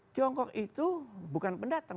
tiongkok itu bukan pendatang